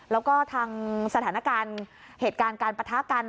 แล้วก็ทางสถานการณ์เหตุการณ์การปะทะกัน